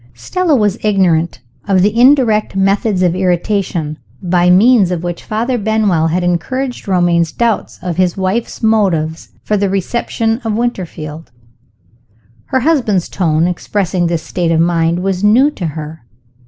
Stella was ignorant of the indirect methods of irritation, by means of which Father Benwell had encouraged Romayne's doubts of his wife's motive for the reception of Winterfield. Her husband's tone, expressing this state of mind, was new to her.